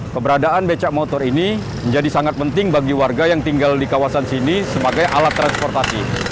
keberadaan becak motor ini menjadi sangat penting bagi warga yang tinggal di kawasan sini sebagai alat transportasi